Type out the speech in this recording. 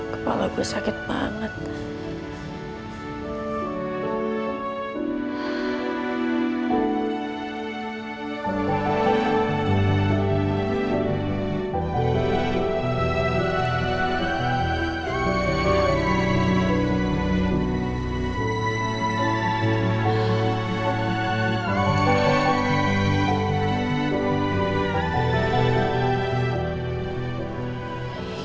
kepala gue sakit banget